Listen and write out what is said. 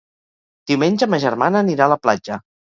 Diumenge ma germana anirà a la platja.